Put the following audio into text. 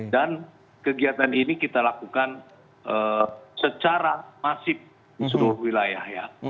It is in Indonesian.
dan kegiatan ini kita lakukan secara masif di seluruh wilayah ya